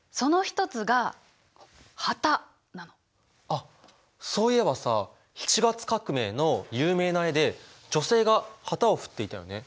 あっそういえばさ７月革命の有名な絵で女性が旗を振っていたよね。